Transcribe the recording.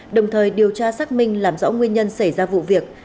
đồng thời điều tra xác minh làm rõ nguyên nhân xảy ra vụ việc